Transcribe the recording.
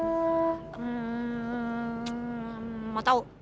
hmm mau tau